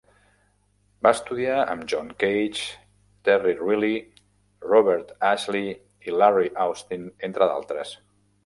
Va estudiar amb John Cage, Terry Riley, Robert Ashley i Larry Austin, entre d'altres.